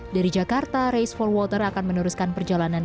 dari jakarta race for water akan meneruskan perjalanan